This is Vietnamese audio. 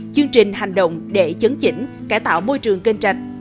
chương trình hành động để chấn chỉnh cải tạo môi trường kênh rạch